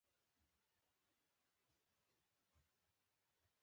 لومړی مبحث : د اسلام د سیاسی نظام مفهوم